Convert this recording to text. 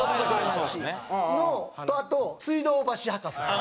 あと水道橋博士さん。